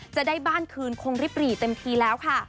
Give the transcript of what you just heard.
จะได้บ้านคืนคงริบหรี่เต็มทีแล้วค่ะ